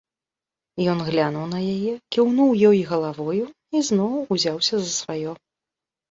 Ён глянуў на яе, кіўнуў ёй галавою і зноў узяўся за сваё.